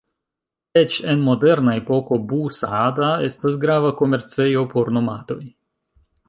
Eĉ en moderna epoko, Bu-Saada estas grava komercejo por nomadoj.